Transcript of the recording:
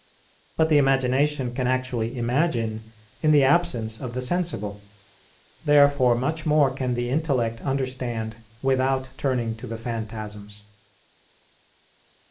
But the imagination can actually imagine in the absence of the sensible. Therefore much more can the intellect understand without turning to the phantasms.